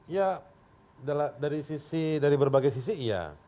ya dari berbagai sisi iya